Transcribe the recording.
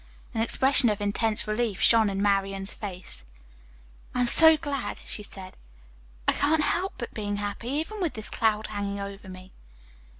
An expression of intense relief shone in Marian's face. "I am so glad," she said. "I can't help being happy, even with this cloud hanging over me."